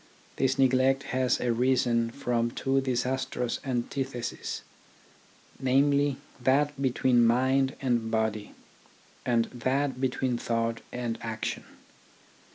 This neglect has arisen from two disastrous antitheses, namely, that between mind and body, and that between thought and action.